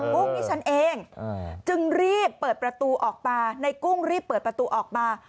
พวกนี้ฉันเองจึงรีบเปิดประตูออกมาในกุ้งรีบเปิดประตูออกมา